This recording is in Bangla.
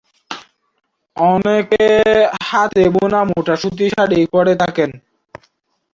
অনেকে হাতে বোনা মোটা সুতি শাড়ি পরে থাকেন।